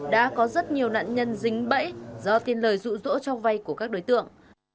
đã có rất nhiều nạn nhân dính bẫy do tin lời rụ rỗ cho vay của các đối tượng